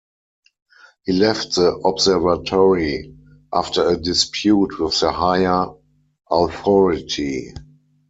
He left the observatory after a dispute with the higher authority.